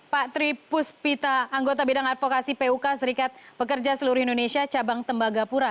pak tri puspita anggota bidang advokasi puk serikat pekerja seluruh indonesia cabang tembagapura